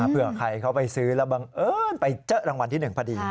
เพื่อใครเขาไปซื้อแล้วบังเอิญไปเจอรางวัลที่๑พอดี